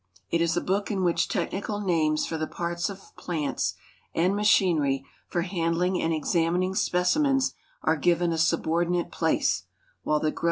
It is a book in which technical names for the parts of plants and machinery for handling and e.xamininjrspecinKMis are given a subordinate place, while the gros.